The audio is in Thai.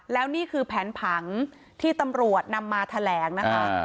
แล้วนี่คือแผนผังที่ตำรวจนำมาแถลงนะคะ